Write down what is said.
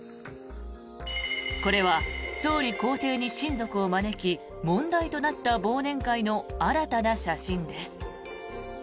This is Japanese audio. これは総理公邸に親族を招き問題となった忘年会の新たな写真です。